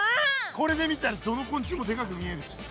これで見たらどの昆虫もでかく見えるし。